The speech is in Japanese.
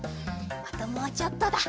あともうちょっとだ。